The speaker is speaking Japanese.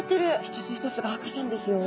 一つ一つが赤ちゃんですよ。